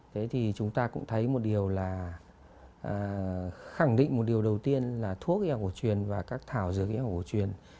thế thì chúng ta cũng thấy một điều là khẳng định một điều đầu tiên là thuốc hiệu quả truyền và các thảo dược hiệu quả truyền